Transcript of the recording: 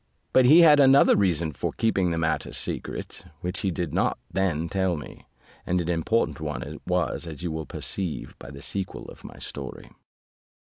But he had another reason for keeping the matter secret, which he did not then tell me, and an important one it was, as you will perceive by the sequel of my story.